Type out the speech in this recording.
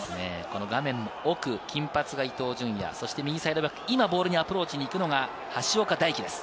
画面奥、金髪が伊東純也、右サイドバック、ボールにアプローチに行くのが橋岡大樹です。